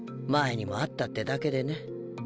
前にもあったってだけでね。